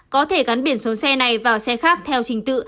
có thể gắn biển số xe này vào xe khác theo trình tự